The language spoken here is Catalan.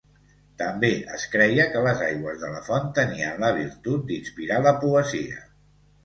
També es creia que les aigües de la font tenien la virtut d'inspirar la poesia.